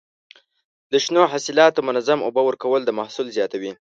د شنو حاصلاتو منظم اوبه ورکول د محصول زیاتوي.